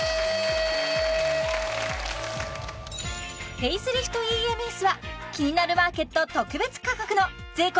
フェイスリフトＥＭＳは「キニナルマーケット」特別価格の税込